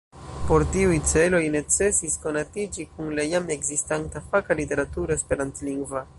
Por tiuj celoj necesis konatiĝi kun la jam ekzistanta faka literaturo esperantlingva.